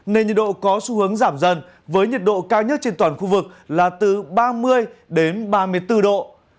nên nhiệt độ có xu hướng giảm dần với nhiệt độ cao nhất trên toàn khu vực là từ ba mươi đến ba mươi bốn độ